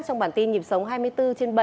trong bản tin nhịp sống hai mươi bốn trên bảy